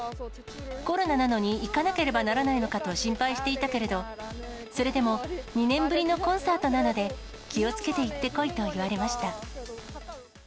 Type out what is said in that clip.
コロナなのに行かなければならないのかと心配していたけれど、それでも、２年ぶりのコンサートなので、気をつけて行ってこいと言われました。